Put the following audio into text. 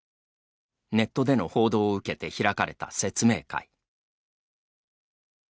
ネットでの報道を受けて開かれた説明会。